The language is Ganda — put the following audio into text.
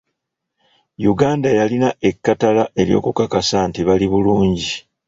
Uganda yalina ekkatala ery'okukakasa nti bali bulungi.